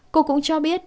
cô cũng cho biết